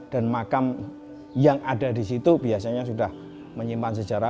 dan makam yang ada disitu biasanya sudah menyimpan sejarah